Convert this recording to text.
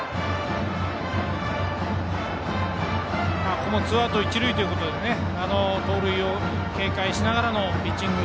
ここもツーアウト、一塁なので盗塁を警戒しながらのピッチング。